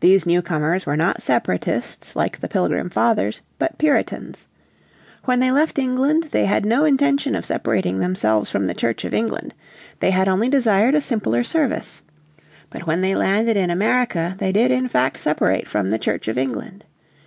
These newcomers were not Separatists like the Pilgrim Fathers but Puritans. When they left England they had no intention of separating themselves from the Church of England. They had only desired a simpler service. But when they landed in America they did in fact separate from the Church of England.